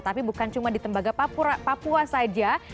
tapi bukan cuma di tembaga papua saja